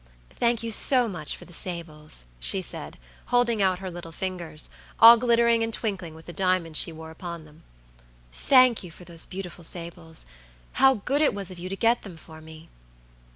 "Thank you so much for the sables," she said, holding out her little fingers, all glittering and twinkling with the diamonds she wore upon them; "thank you for those beautiful sables. How good it was of you to get them for me."